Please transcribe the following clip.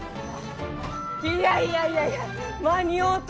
いやいやいやいや間に合うた！